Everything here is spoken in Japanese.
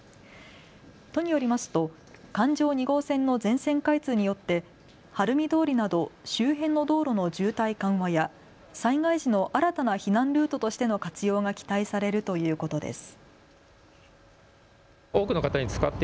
都によりますと環状２号線の全線開通によって晴海通りなど周辺の道路の渋滞緩和や災害時の新たな避難ルートとしての活用が期待されるということです。